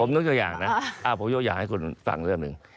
ยกตัวอย่างนะผมยกอย่างให้คุณฟังเรื่องหนึ่ง